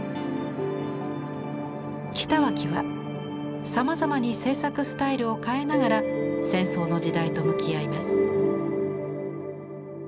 北脇はさまざまに制作スタイルを変えながら戦争の時代と向き合います。